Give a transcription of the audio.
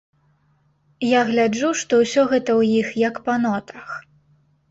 Я гляджу, што ўсё гэта ў іх як па нотах.